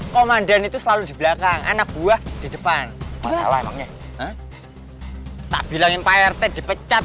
komandan itu selalu di belakang anak buah di depan masalah emangnya tak bilangin pak rt dipecat